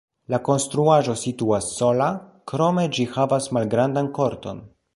La konstruaĵo situas sola, krome ĝi havas malgrandan korton.